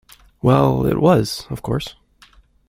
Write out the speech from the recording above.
Well, it was, of course.